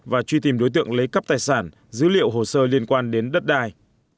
và truy tìm đối tượng lấy cắp tài sản dữ liệu hồ sơ liên quan đến đất đai